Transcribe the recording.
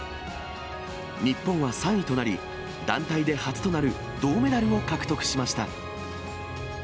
日本は３位となり、団体で初となる銅メダルを獲得しました。